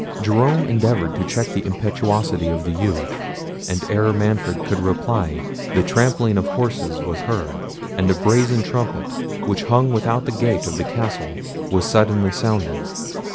Jerome endeavoured to check the impetuosity of the youth; and ere Manfred could reply, the trampling of horses was heard, and a brazen trumpet, which hung without the gate of the castle, was suddenly sounded.